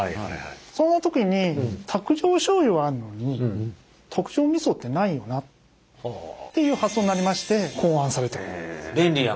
そんな時に卓上しょうゆはあるのに卓上みそってないよなっていう発想になりまして考案されたものなんです。